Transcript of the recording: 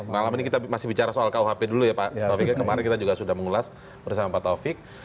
malam ini kita masih bicara soal kuhp dulu ya pak taufik kemarin kita juga sudah mengulas bersama pak taufik